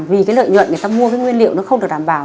vì cái lợi nhuận người ta mua cái nguyên liệu nó không được đảm bảo